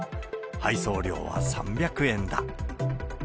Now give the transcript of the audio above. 配送料は３００円だ。